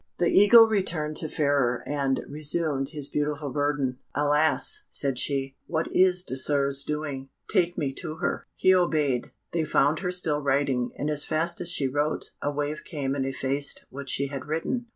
The Eagle returned to Fairer, and resumed his beautiful burden. "Alas!" said she, "what is Désirs doing? Take me to her." He obeyed. They found her still writing, and as fast as she wrote, a wave came and effaced what she had written.